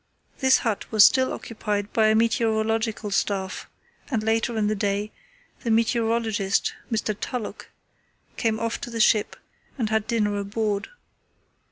This hut was still occupied by a meteorological staff, and later in the day the meteorologist, Mr. Tulloch, came off to the ship and had dinner aboard.